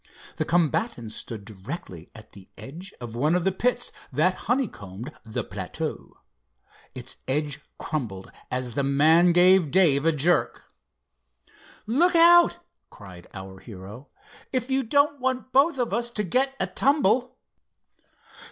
The combatants stood directly at the edge of one of the pits that honeycombed the plateau. Its edge crumbled as the man gave Dave a jerk. "Look out!" cried our hero, "if you don't want both of us to get a tumble."